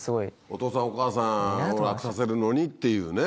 お父さんお母さんを楽させるのにっていうね。